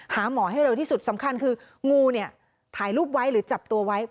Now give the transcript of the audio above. หาหมอให้เร็วที่สุดสำคัญคืองูเนี่ยถ่ายรูปไว้หรือจับตัวไว้